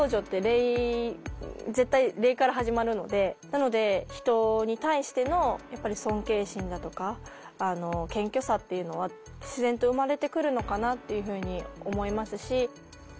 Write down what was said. なので人に対してのやっぱり尊敬心だとか謙虚さっていうのは自然と生まれてくるのかなっていうふうに思いますし。